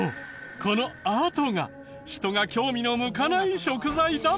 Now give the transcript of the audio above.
このあとが人が興味の向かない食材だった！